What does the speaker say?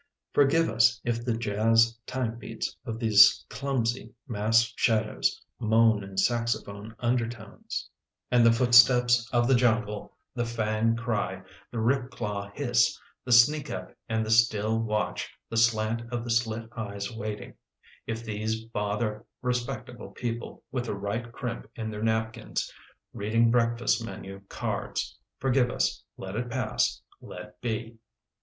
Forgive us if the jazz timebeats Of these clumsy mass shadows Moan in saxophone undertones. 10 The Windy City And the footsteps of the jungle, The fang cry, the rip claw hiss, The sneak up and the still watch, The slant of the slit eyes waiting — If these bother respectable people with the right crimp in their napkins reading breakfast menu cards — forgive us — let it pass — let be.